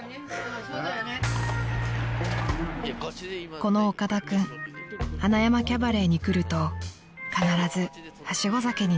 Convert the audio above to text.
［この岡田君塙山キャバレーに来ると必ずはしご酒になります］